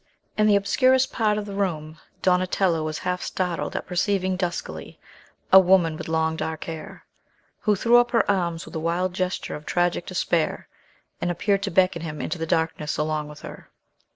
In the obscurest part of the room Donatello was half startled at perceiving duskily a woman with long dark hair, who threw up her arms with a wild gesture of tragic despair, and appeared to beckon him into the darkness along with her.